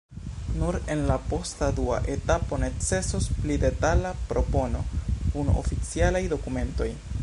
Nur en la posta dua etapo necesos pli detala propono kun oficialaj dokumentoj.